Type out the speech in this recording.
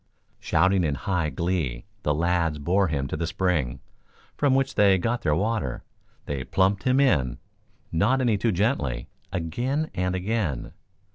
Shouting in high glee the lads bore him to the spring from which they got their water. They plumped him in, not any too gently, again and again.